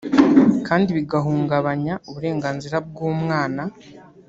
kandi bigahungabanya uburenganzira bw’umwana